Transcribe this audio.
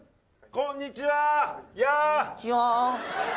こんにちは。